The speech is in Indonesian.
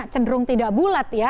cenderung tidak bulat ya